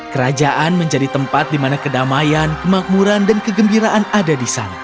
kerajaan menjadi tempat di mana kedamaian kemakmuran dan kegembiraan ada di sana